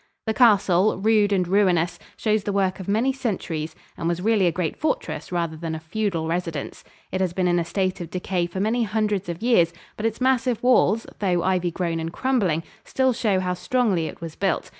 The castle, rude and ruinous, shows the work of many centuries, and was really a great fortress rather than a feudal residence. It has been in a state of decay for many hundreds of years, but its massive walls, though ivy grown and crumbling, still show how strongly it was built.